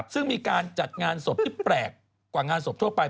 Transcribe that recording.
ซึ่งมีการจัดงานศพที่แปลกกว่างานศพทั่วไป